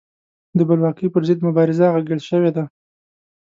د بلواکۍ پر ضد مبارزه اغږل شوې ده.